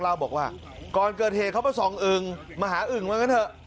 เล่าบอกว่าก่อนเกิดเหตุเขามาส่องอึ่งมาหาอึ่งว่างั้นเถอะ